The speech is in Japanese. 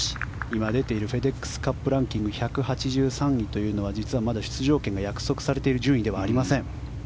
今出ているフェデックスランキング１８３位というのが実はまだ出場権が約束されている順位ではありません。